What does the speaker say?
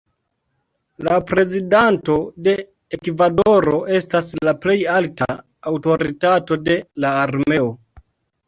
La prezidanto de Ekvadoro estas la plej alta aŭtoritato de la armeo.